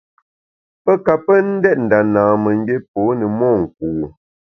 Pe ka pe ndét nda nâmemgbié pô ne monku.